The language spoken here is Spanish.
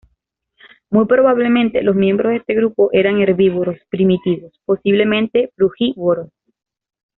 Muy probablemente los miembros de este grupo eran herbívoros primitivos, posiblemente frugívoros.